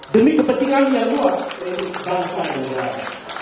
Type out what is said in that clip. demi kepentingan yang luas dan kepentingan yang luas